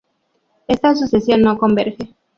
Esta sucesión no converge.